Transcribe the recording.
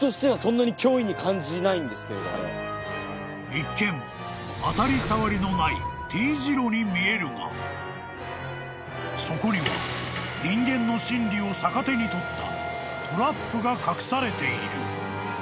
［一見当たり障りのないＴ字路に見えるがそこには人間の心理を逆手に取った］